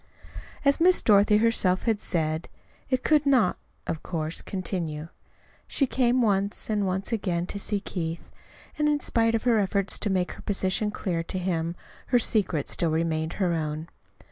As Miss Dorothy herself had said, it could not, of course, continue. She came once, and once again to see Keith; and in spite of her efforts to make her position clear to him, her secret still remained her own.